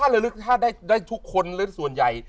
ถ้าเรารึกชาติได้ทุกคนส่วนใหญ่